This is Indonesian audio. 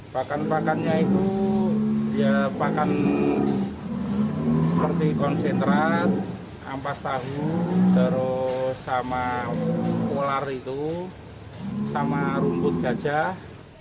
pakan pakannya itu ya pakan seperti konsentrat ampas tahu terus sama ular itu sama rumput gajah